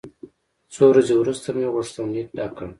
څو ورځې وروسته مې غوښتنلیک ډک کړ.